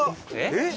えっ！